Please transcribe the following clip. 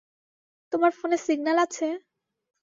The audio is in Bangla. তোমার ফোনে সিগন্যাল আছে?